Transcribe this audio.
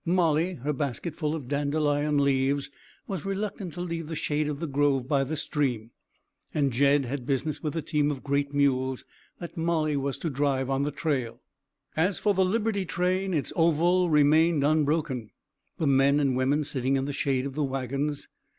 Molly, her basket full of dandelion leaves, was reluctant to leave the shade of the grove by the stream, and Jed had business with the team of great mules that Molly was to drive on the trail. As for the Liberty train, its oval remained unbroken, the men and women sitting in the shade of the wagons.